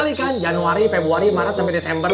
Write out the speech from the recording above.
kamu dua belas kali kan januari februari maret sampe desember